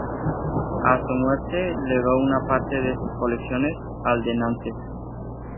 A su muerte, legó una parte de sus colecciones al de Nantes.